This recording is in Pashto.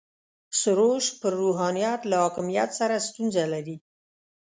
سروش پر روحانیت له حاکمیت سره ستونزه لري.